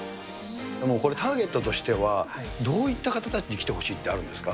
これ、ターゲットとしては、どういった方たちに来てほしいってあるんですか。